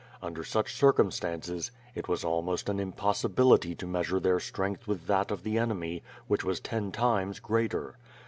Under such circum stances, it was almost an impossibility to measure their strength with that of the enemy, which was ten times greater.